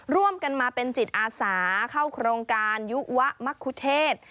ร่วมกันมาเป็นจิตอาสาเข้าโครงการยุวะมะคุเทศ